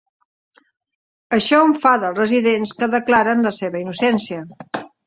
Això enfada els residents que declaren la seva innocència.